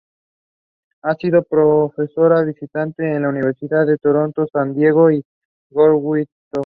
Ha sido profesora visitante en las universidades de Toronto, San Diego y Georgetown.